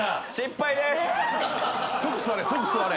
即座れ即座れ。